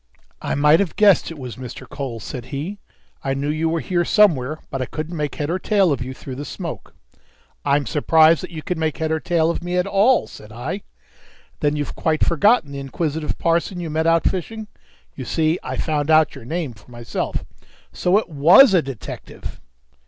"I might have guessed it was Mr. Cole," said he. "I knew you were here somewhere, but I couldn't make head or tail of you through the smoke." "I'm surprised that you can make head or tail of me at all," said I. "Then you've quite forgotten the inquisitive parson you met out fishing? You see I found out your name for myself!" "So it was a detective!"